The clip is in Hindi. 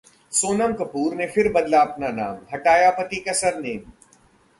सोनम कपूर ने फिर बदला अपना नाम, हटाया पति का सरनेम